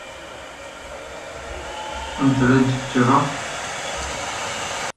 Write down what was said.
He has three daughters.